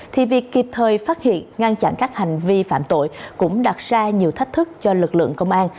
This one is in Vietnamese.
thì việc kịp thời phát hiện ngăn chặn các hành vi phạm tội cũng đặt ra nhiều thách thức cho lực lượng công an